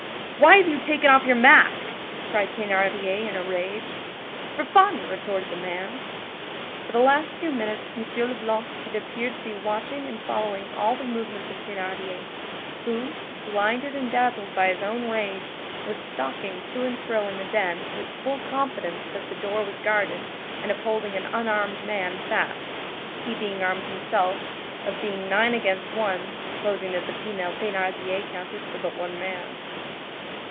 "Why have you taken off your mask?" cried Thénardier in a rage. "For fun," retorted the man. For the last few minutes M. Leblanc had appeared to be watching and following all the movements of Thénardier, who, blinded and dazzled by his own rage, was stalking to and fro in the den with full confidence that the door was guarded, and of holding an unarmed man fast, he being armed himself, of being nine against one, supposing that the female Thénardier counted for but one man.